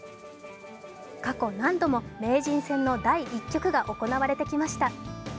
過去、何度も名人戦の第１局が行われてきました。